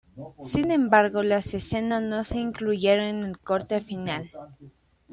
Sin embargo, las escenas no se incluyeron en el corte final.